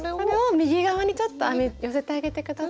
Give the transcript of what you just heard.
右側にちょっと寄せてあげて下さい。